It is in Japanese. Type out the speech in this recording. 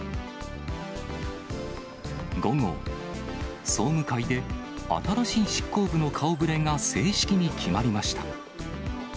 午後、総務会で新しい執行部の顔ぶれが正式に決まりました。